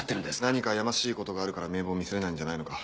何かやましいことがあるから名簿を見せれないんじゃないのか？